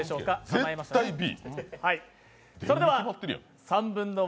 絶対Ｂ。